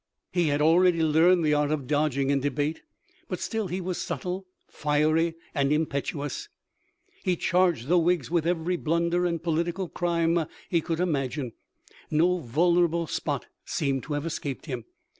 He had already learned the art of dodging in debate, but still he was subtle, fiery, and impetuous. He charged the Whigs with every blunder and political crime he could imagine. No vulnerable spot seemed to have escaped him.